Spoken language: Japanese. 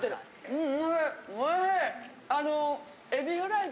うん！